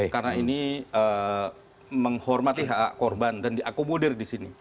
karena ini menghormati hak korban dan diakomodir di sini